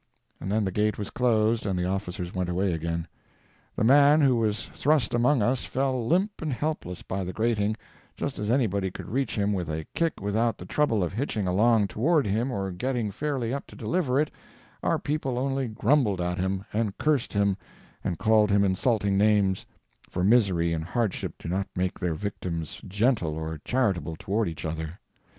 "—and then the gate was closed and the officers went away again. The man who was thrust among us fell limp and helpless by the grating, but as nobody could reach him with a kick without the trouble of hitching along toward him or getting fairly up to deliver it, our people only grumbled at him, and cursed him, and called him insulting names—for misery and hardship do not make their victims gentle or charitable toward each other.